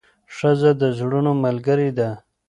ښځه د زړونو ملګرې ده.